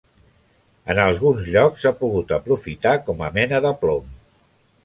En alguns llocs s'ha pogut aprofitar com a mena de plom.